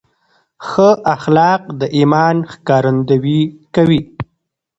ښه اخلاق د ایمان ښکارندویي کوي.